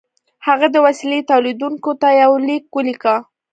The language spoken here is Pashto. هغه د وسیلې تولیدوونکي ته یو لیک ولیکه